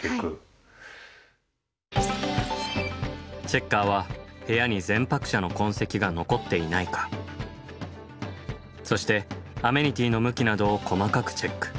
チェッカーは部屋に前泊者の痕跡が残っていないかそしてアメニティの向きなどを細かくチェック。